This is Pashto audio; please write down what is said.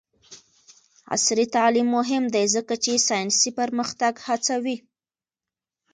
عصري تعلیم مهم دی ځکه چې ساینسي پرمختګ هڅوي.